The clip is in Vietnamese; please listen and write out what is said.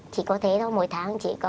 chỉ có thế thôi mỗi tháng chỉ có